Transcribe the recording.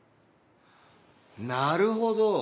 なるほど！